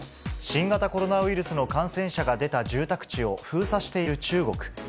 新型コロナウイルスの感染者が出た住宅地を封鎖している中国。